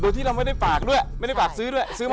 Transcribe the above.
โดยที่เราไม่ได้ฝากซื้อด้วย